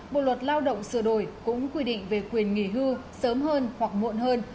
bộ luật lao động sửa đổi cũng quy định về quyền nghỉ hưu sớm hơn hoặc muộn hơn